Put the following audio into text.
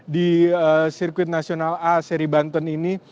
di sirkuit nasional a seri banten ini